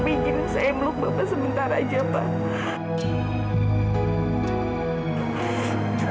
bikin saya meluk bapak sebentar aja pak